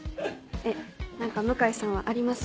何か向井さんはあります？